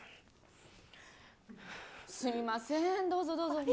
すみません、どうぞどうぞ。